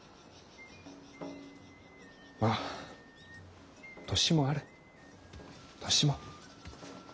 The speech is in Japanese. ま年もある年も。